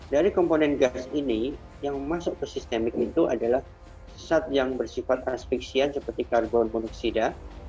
dari komponen gas ini yang masuk ke sistemik itu adalah zat yang bersifat transfisien seperti karbon monoksida